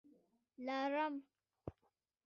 🦂 لړم